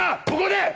ここで！